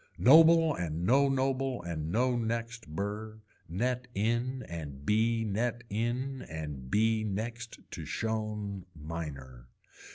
Noble and no noble and no next burr, net in and bee net in and bee next to shown miner.